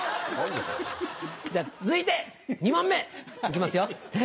じゃあ、続いて２問目、いきますよ。